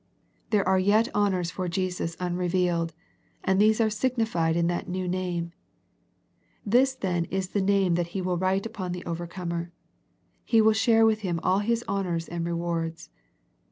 There are yet honours for Jesus unre vealed, and these are signified in that new name. This then is the name that He will write upon the overcomer. He will share with him all His honours and rewards.